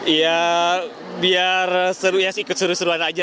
ya biar seru ya ikut seru seru